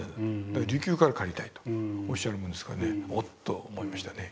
だから琉球から借りたいとおっしゃるもんですからね「おっ」と思いましたね。